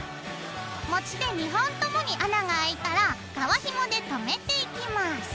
持ち手２本共に穴があいたら皮ひもでとめていきます。